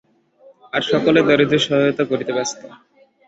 আর সকলে দরিদ্রের সহায়তা করিতে ব্যস্ত।